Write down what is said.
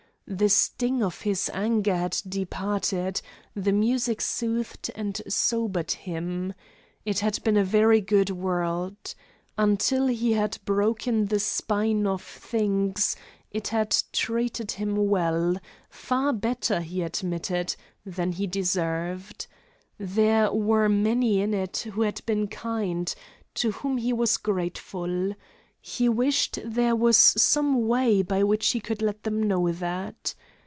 The sting of his anger had departed, the music soothed and sobered him. It had been a very good world. Until he had broken the spine of things it had treated him well, far better, he admitted, than he deserved. There were many in it who had been kind, to whom he was grateful. He wished there was some way by which he could let them know that.